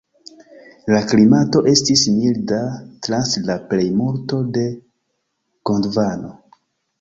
La klimato estis milda trans la plejmulto de Gondvano.